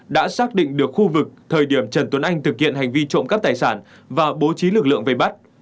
đã xác định được khu vực thời điểm trần tuấn anh thực hiện hành vi trộm cắp tài sản và bố trí lực lượng vây bắt